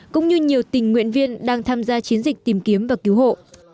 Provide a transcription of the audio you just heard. cũng như nhiều tình nguyện viên đang tham gia chiến dịch tìm kiếm và cứu hộ